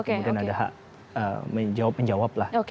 kemudian ada hak menjawab menjawab lah